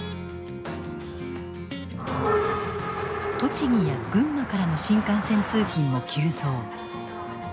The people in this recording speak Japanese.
栃木や群馬からの新幹線通勤も急増。